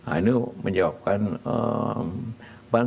ini menyebabkan bantuan itu cukup besar